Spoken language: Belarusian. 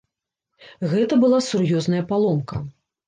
Гэта была сур'ёзная паломка.